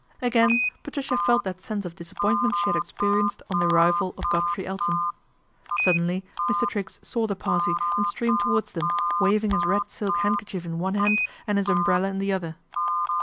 Again atricia felt that sense of disappointment she had sperienced on the arrival of Godfrey Elton. Suddenly Mr. Triggs saw the party and streamed )wards them, waving his red silk handkerchief in Qe hand and his umbrella in the other.